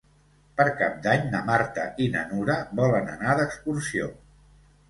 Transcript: Per Cap d'Any na Marta i na Nura volen anar d'excursió.